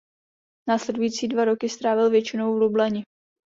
Následující dva roky strávil většinou v Lublani.